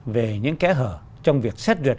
về những kẽ hở trong việc xét duyệt